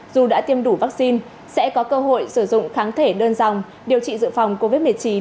dù đã tiêm đủ vaccine sẽ có cơ hội sử dụng kháng thể đơn dòng điều trị dự phòng covid một mươi chín